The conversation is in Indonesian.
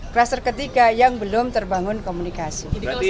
kluster ketiga yang belum terbangun komunikasi